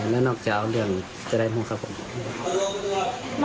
แล้วนอกจะเอาเหลืองจะได้ห่วงครับผม